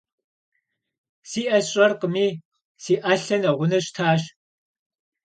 Си ӏэ сщӏэркъыми, си ӏэлъэ нэгъунэ щтащ.